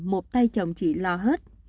một tay chồng chị lo hết